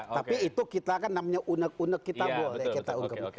tapi itu kita kan namanya unek unek kita boleh kita ungkap